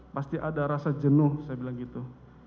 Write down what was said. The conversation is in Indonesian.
pasti ada rasa jenuh saya bilang gitu